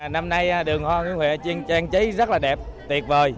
năm nay đường hoa trang trí rất là đẹp tuyệt vời